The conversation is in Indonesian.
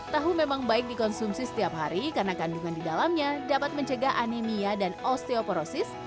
tahu memang baik dikonsumsi setiap hari karena kandungan di dalamnya dapat mencegah anemia dan osteoporosis